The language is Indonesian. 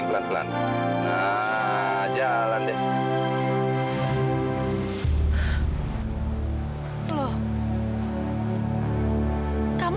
nggak mau kan